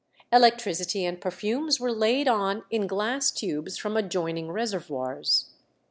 Electricity and perfumes were laid on in glass tubes from adjoining reservoirs.